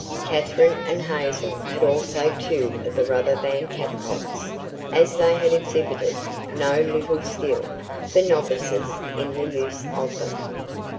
Katherine and Hazel had also two of the rubber band catapults, as they had exhibited no little skill, for novices, in the use of them.